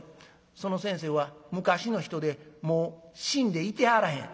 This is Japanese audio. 「その先生は昔の人でもう死んでいてはらへん」。